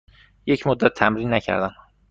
یک مدت تمرین نکردم.